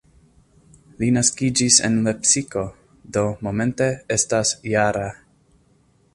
Li naskiĝis en Lepsiko, do momente estas -jara.